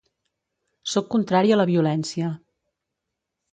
Sóc contrari a la violència.